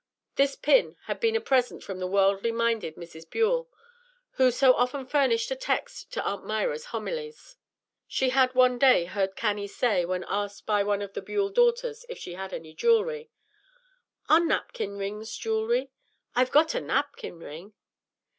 This pin had been a present from the worldly minded Mrs. Buell, who so often furnished a text to Aunt Myra's homilies. She had one day heard Cannie say, when asked by one of the Buell daughters if she had any jewelry, "Are napkin rings jewelry? I've got a napkin ring."